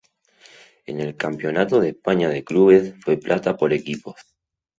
En el Campeonato de España de Clubes fue plata por equipos.